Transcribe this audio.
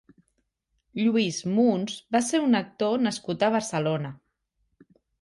Lluís Muns va ser un actor nascut a Barcelona.